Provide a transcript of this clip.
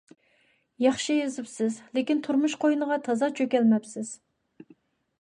ياخشى يېزىپسىز، لېكىن تۇرمۇش قوينىغا تازا چۆكەلمەپسىز.